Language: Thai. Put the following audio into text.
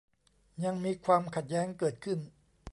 ยังมีความขัดแย้งเกิดขึ้น